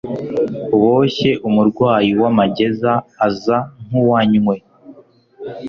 boshye umurwayi w'amageza aza nkuwanywe